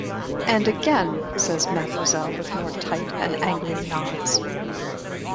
"And again," says mademoiselle with more tight and angry nods.